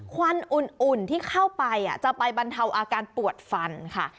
ควันอุ่นที่เข้าไปจะไปบรรเทาอาการปวดฟันค่ะ